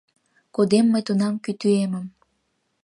Кодем мый тунам кӱтӱэмым